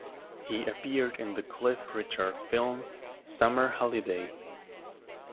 He appeared in the Cliff Richard film, "Summer Holiday".